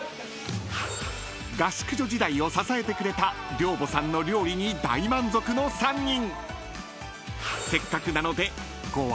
［合宿所時代を支えてくれた寮母さんの料理に大満足の３人］